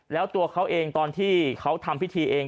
แล้วตัวเขาเองตอนที่เขาทำพิธีเอง